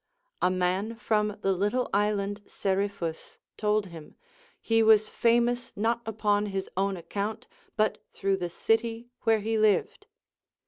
A man from the little island Seriphus told him, he Avas famous not upon his own account but through the city where he lived.